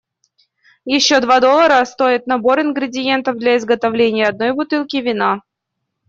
Ещё два доллара стоит набор ингредиентов для изготовления одной бутылки вина.